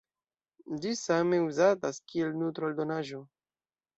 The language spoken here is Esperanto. Ĝi same uzatas kiel nutro-aldonaĵo.